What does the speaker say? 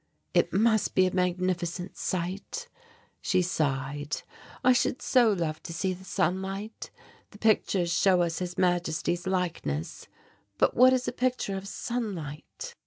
"It must be a magnificent sight," she sighed. "I should so love to see the sunlight. The pictures show us His Majesty's likeness, but what is a picture of sunlight?"